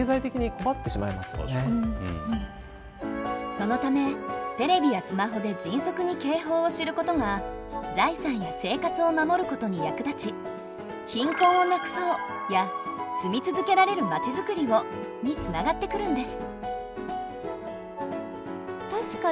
そのためテレビやスマホで迅速に警報を知ることが財産や生活を守ることに役立ち「貧困をなくそう」や「住み続けられるまちづくりを」につながってくるんです。